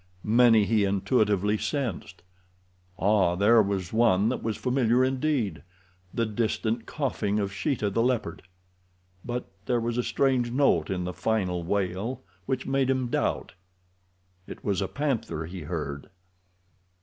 Many he intuitively sensed—ah, there was one that was familiar indeed; the distant coughing of Sheeta, the leopard; but there was a strange note in the final wail which made him doubt. It was a panther he heard.